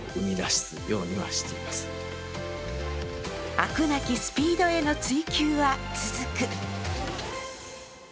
飽くなきスピードへの追求は続く。